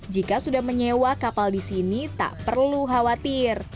jika sudah menyewa kapal di sini tak perlu khawatir